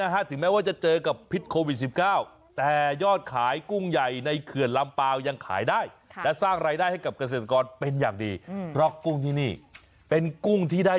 หรือจัดกันเองในบ้านอะไรแบบนี้ก็ได้